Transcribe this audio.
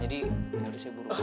jadi yaudah saya buruk